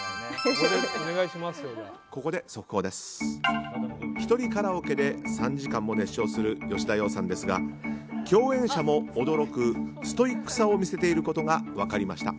ひとりカラオケで３時間も熱唱する吉田羊さんですが共演者も驚くストイックさを見せいていることが分かりました。